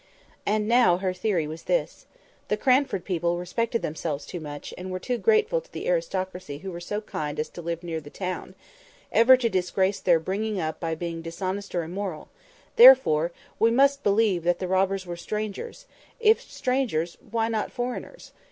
And now her theory was this:—The Cranford people respected themselves too much, and were too grateful to the aristocracy who were so kind as to live near the town, ever to disgrace their bringing up by being dishonest or immoral; therefore, we must believe that the robbers were strangers—if strangers, why not foreigners?